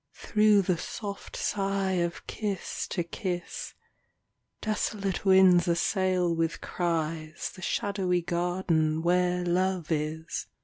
Through the soft sigh of kiss to kiss, Desolate winds assail with cries The shadowy garden where love is.